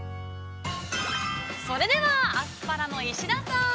◆それでは、アスパラの石田さん